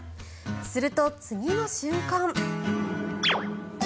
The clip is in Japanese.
すると、次の瞬間。